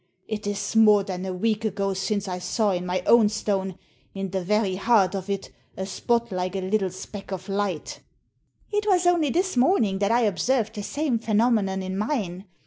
" It is more than a week ago since I saw in my own stone, in the very heart of it, a spot like a little speck of lig^t" "It was only this morning that I observed the same phenomenon in mine.